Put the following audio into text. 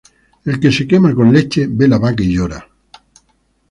El que se quema con leche, ve la vaca y llora